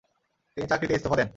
তিনি চাকরিতে ইস্তফা দেন।